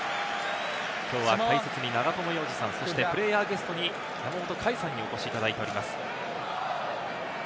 きょうは解説に永友洋司さん、プレーヤーゲストに山本凱さんにお越しいただいています。